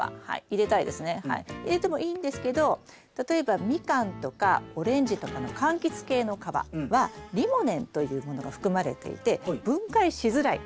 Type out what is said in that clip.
入れてもいいんですけど例えばミカンとかオレンジとかのかんきつ系の皮はリモネンというものが含まれていて分解しづらい。